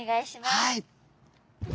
はい。